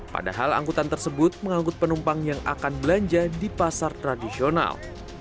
padahal angkutan tersebut mengangkut penumpang yang akan belanja di pasar tradisional